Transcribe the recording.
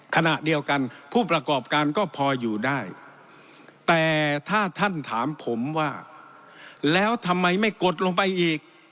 ขณะเดียวกันผู้ประกอบการก็พออยู่ได้แต่ถ้าท่านถามผมว่าแล้วทำไมไม่กดลงไปอีก